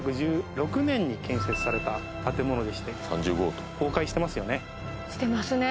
１９１６年に建設された建物でして崩壊してますよね。